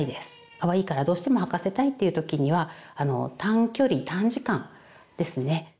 かわいいからどうしても履かせたいという時には短距離短時間ですね。